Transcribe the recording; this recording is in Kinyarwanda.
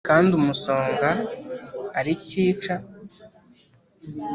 kandi umusonga ari cyica.